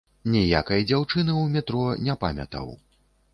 Ніякай дзяўчыны ў метро не памятаў.